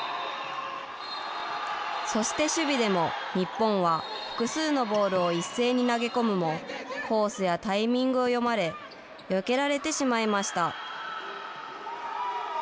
そして守備でも、日本は複数のボールを一斉に投げ込むも、コースやタイミングを読まれ、よけられてしまいました。